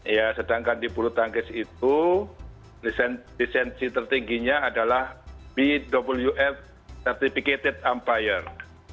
ya sedangkan di bulu tangkis itu lisensi tertingginya adalah bwf certificated empire